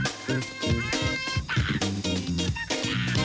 สวัสดีครับ